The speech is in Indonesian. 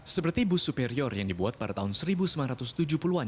seperti bus superior yang dibuat pada tahun seribu sembilan ratus tujuh puluh an